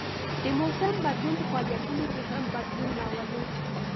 د موسم بدلون په فعالیتونو کې هم بدلون راولي